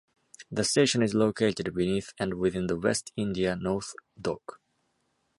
The station is located beneath and within the West India North Dock.